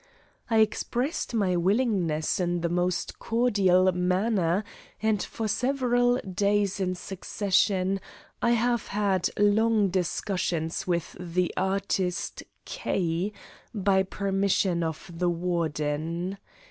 I expressed my willingness in the most cordial manner, and for several days in succession I have had long discussions with the artist K., by permission of the Warden.